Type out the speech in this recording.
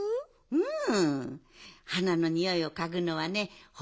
うん。